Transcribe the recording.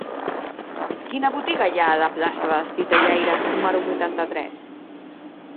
Quina botiga hi ha a la plaça dels Titellaires número vuitanta-tres?